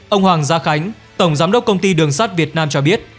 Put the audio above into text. ông hoàng gia khánh tổng giám đốc công ty đường sắt việt nam cho biết